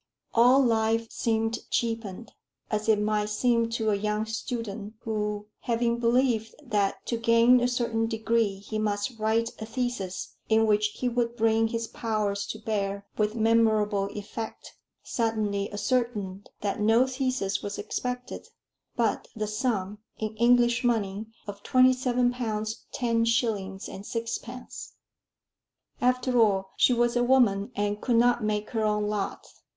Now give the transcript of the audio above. All life seemed cheapened; as it might seem to a young student who, having believed that to gain a certain degree he must write a thesis in which he would bring his powers to bear with memorable effect, suddenly ascertained that no thesis was expected, but the sum (in English money) of twenty seven pounds ten shillings and sixpence. After all, she was a woman, and could not make her own lot.